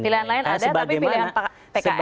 pilihan lain ada tapi pilihan pks tetap akhir gitu ya